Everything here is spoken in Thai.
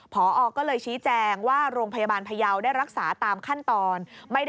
พอก็เลยชี้แจงว่าโรงพยาบาลพยาวได้รักษาตามขั้นตอน